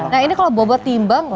nah ini kalau bobot timbang